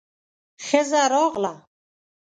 ښځه راغله.